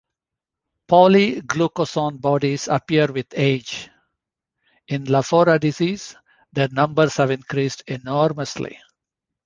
Polyglucosan bodies appear with age; in Lafora disease, their numbers have increased enormously.